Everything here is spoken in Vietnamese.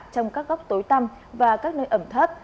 trong các góc tối tăm và các nơi ẩm thất